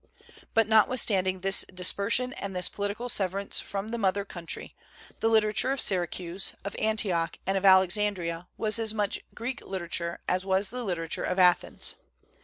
But, notwithstanding this dis persion and this political severance from the mother country, the literature of Syracuse, of Antioch and of Alexandria, was as much Greek literature as was the literature of Athens.